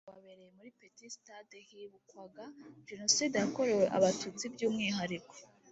Uwo muhango wabereye muri Petit Stade hibukwaga Jenoside yakorewe Abatutsi by umwihariko